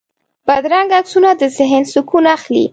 بدرنګه عکسونه د ذهن سکون اخلي